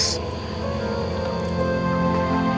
sampai jumpa lagi